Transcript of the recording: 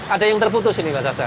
ada yang terputus ini pak sasar